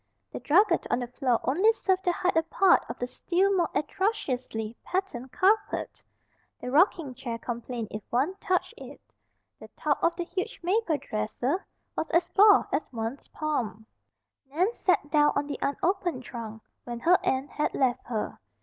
The drugget on the floor only served to hide a part of the still more atrociously patterned carpet. The rocking chair complained if one touched it. The top of the huge maple dresser was as bald as one's palm. Nan sat down on the unopened trunk when her aunt had left her.